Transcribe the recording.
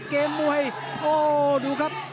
เกมมวยโอ้ดูครับ